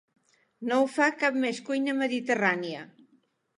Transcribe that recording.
no ho fa cap més cuina mediterrània